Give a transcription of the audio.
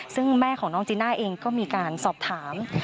ซึ่งแม่ของน้องจีน่าเองก็มีการสอบถาม